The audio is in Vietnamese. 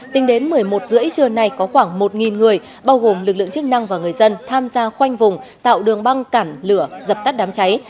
tính đến một mươi một h ba mươi trưa nay có khoảng một người bao gồm lực lượng chức năng và người dân tham gia khoanh vùng tạo đường băng cản lửa dập tắt đám cháy